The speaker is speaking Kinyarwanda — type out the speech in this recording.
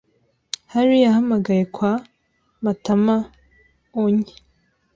Harry yahamagaye kwa Matamaony